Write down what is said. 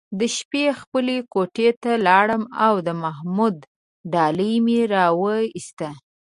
د شپې خپلې کوټې ته لاړم او د محمود ډالۍ مې راوویسته.